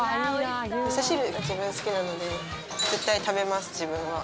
味噌汁が好きなので絶対食べます、自分は。